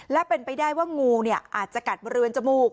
และเป็นไปได้ว่างูอาจจะกัดบริเวณจมูก